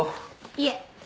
いえ。